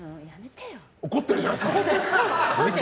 怒ってるじゃないですか。